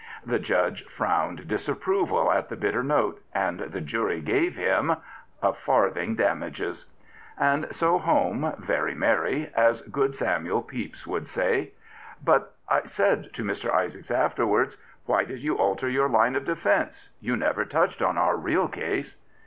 The judge frowned disapproval at the bitter note, and the jury gave him — a farthing damages I And so home, very merry, as good Samuel Pepys would say. But,'* I said to Mr. Isaacs afterwards, " why did you alter your line of defence? You never touched on our real case."